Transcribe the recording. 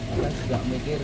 anak anak juga mikir